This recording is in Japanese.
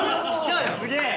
すげえ！